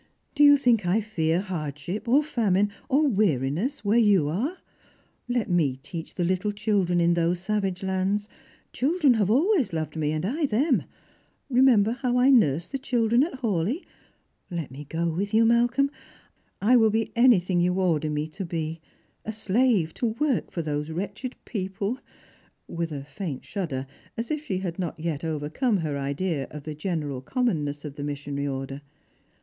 Do you think I fear hardship, or famine, or weariness, where you are ? Let me teach the little children in those savage lands. Children have always loved me, and I them. Eemember how I nursed the children at Haw leigh. Let me go with you, Malcolm. I will be anything you order me to be, a slave to work for those wretched people," with a faint shudder, as if she had not yet overcome her idea of the general commonness of the missionary order.